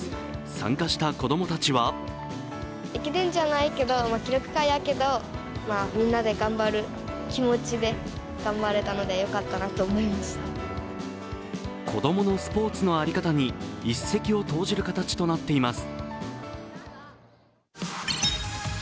参加した子供たちは子供のスポーツの在り方に一石を投じる形となっています。